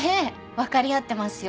分かり合ってますよ。